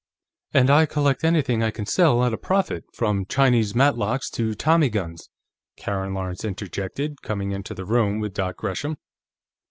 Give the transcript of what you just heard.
"And I collect anything I can sell at a profit, from Chinese matchlocks to tommy guns," Karen Lawrence interjected, coming into the room with Dot Gresham.